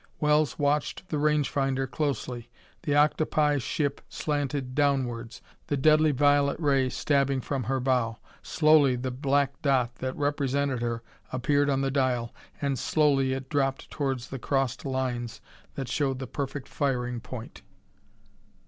Wells watched the range finder closely. The octopi ship slanted downwards, the deadly violet ray stabbing from her bow. Slowly the black dot that represented her appeared on the dial, and slowly it dropped towards the crossed lines that showed the perfect firing point.